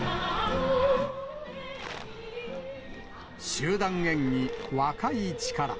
集団演技、若い力。